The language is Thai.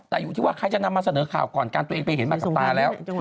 แต่อยู่ที่ว่าใครจะนำมาเสนอข่าวก่อนกันตัวเองไปเห็นบางสตาร์แล้ว